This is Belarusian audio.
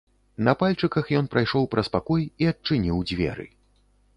На пальчыках ён прайшоў праз пакой і адчыніў дзверы.